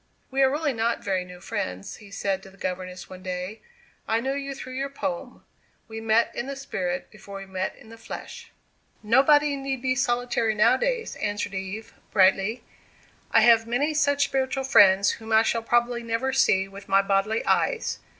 "We are really not very new friends," he said to the governess one day. "I knew you through your poem. We met in the spirit before we met in the flesh." "Nobody need be solitary nowadays," answered Eve, brightly. "I have many such spiritual friends, whom I shall probably never see with my bodily eyes.